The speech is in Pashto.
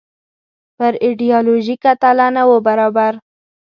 پر ایډیالوژیکه تله نه وو برابر.